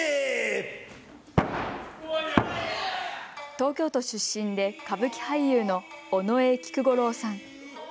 東京都出身で歌舞伎俳優の尾上菊五郎さん。